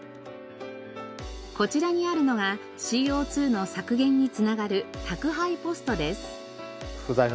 こちらにあるのがＣＯ２の削減に繋がる宅配ポストです。